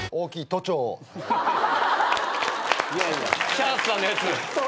チャンスさんのやつ。